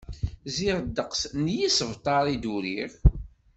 Ziɣ ddeqs n yisebtar i d-uriɣ.